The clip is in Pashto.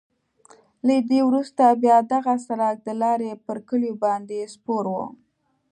له دې وروسته بیا دغه سړک د لارې پر کلیو باندې سپور وو.